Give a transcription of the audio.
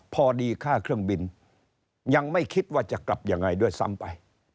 พอดีค่าเครื่องบินยังไม่คิดว่าจะกลับยังไงด้วยซ้ำไป